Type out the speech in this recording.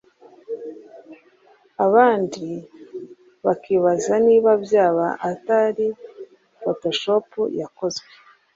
abandi bakibaza niba byara atari pfotoshop yakozwe